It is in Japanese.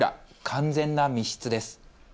完全な密室です。